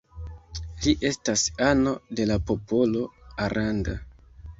Li estas ano de la popolo Aranda.